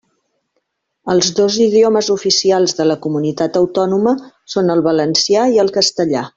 Els dos idiomes oficials de la comunitat autònoma són el valencià i el castellà.